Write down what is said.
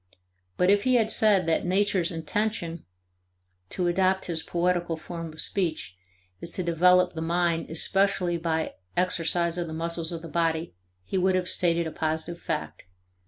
But if he had said that nature's "intention" (to adopt his poetical form of speech) is to develop the mind especially by exercise of the muscles of the body he would have stated a positive fact.